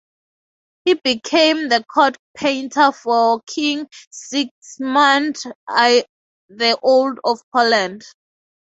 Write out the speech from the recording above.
He became the court painter for King Sigismund I the Old of Poland.